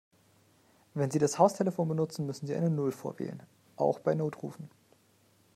Wenn Sie das Haustelefon benutzen, müssen Sie eine Null vorwählen, auch bei Notrufen.